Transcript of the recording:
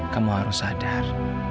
kamu harus sadar